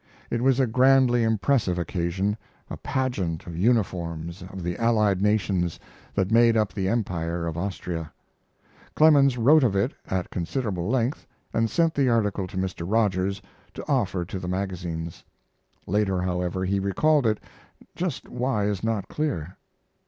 It was a grandly impressive occasion, a pageant of uniforms of the allied nations that made up the Empire of Austria. Clemens wrote of it at considerable length, and sent the article to Mr. Rogers to offer to the magazines. Later, however, he recalled it just why is not clear.